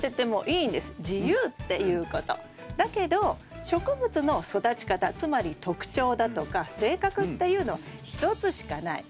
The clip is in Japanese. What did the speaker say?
だけど植物の育ち方つまり特徴だとか性格っていうのは１つしかない。